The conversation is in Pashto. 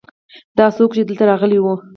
دا څوک ؤ چې دلته راغلی ؤ